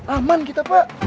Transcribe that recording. aman kita pak